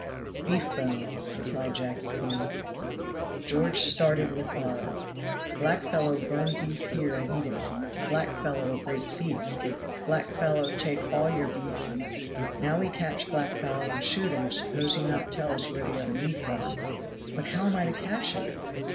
"Beef bone," replied Jacky coolly. George started with horror. "Black fellow burn beef here and eat him. Black fellow a great thief. Black fellow take all your beef. Now we catch black fellow and shoot him suppose he not tell us where the other beef gone." "But how am I to catch him?